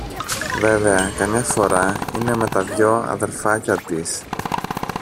Βέβαια καμιά φορά είναι με τα δυο αδελφάκια της